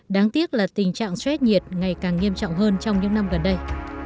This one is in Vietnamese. đáng tiếc là tình trạng stress nhiệt ngày càng nghiêm trọng hơn trong những năm gần đây